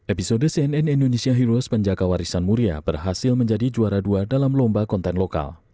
episode cnn indonesia heroes penjaga warisan muria berhasil menjadi juara dua dalam lomba konten lokal